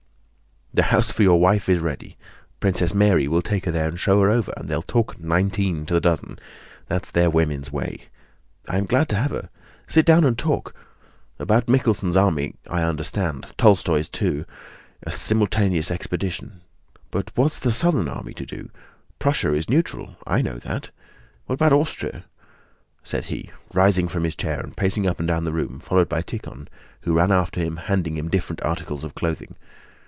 "The house for your wife is ready. Princess Mary will take her there and show her over, and they'll talk nineteen to the dozen. That's their woman's way! I am glad to have her. Sit down and talk. About Mikhelson's army I understand—Tolstóy's too... a simultaneous expedition.... But what's the southern army to do? Prussia is neutral... I know that. What about Austria?" said he, rising from his chair and pacing up and down the room followed by Tíkhon, who ran after him, handing him different articles of clothing.